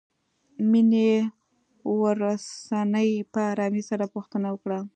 مينې ورڅنې په آرامۍ سره پوښتنه وکړه.